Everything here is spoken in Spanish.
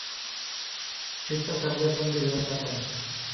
Estas algas son de gran tamaño.